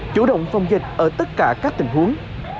chủ động phòng dịch ở tất cả các tình huống